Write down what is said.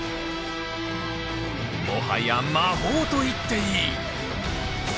もはや魔法と言っていい。